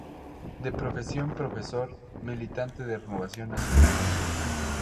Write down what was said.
De profesión profesor, militante de Renovación Nacional.